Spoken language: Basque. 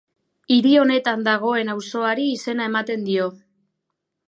Hiri honetan dagoen auzoari izena ematen dio.